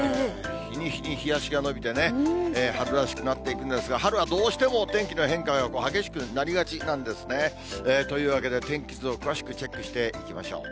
日に日に日足が伸びてね、春らしくなっていくんですが、春はどうしてもお天気の変化が激しくなりがちなんですね。というわけで、天気図を詳しくチェックしていきましょう。